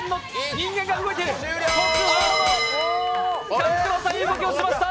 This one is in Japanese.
勘九郎さん、いい動きをしました。